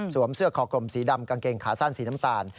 เสื้อคอกลมสีดำกางเกงขาสั้นสีน้ำตาล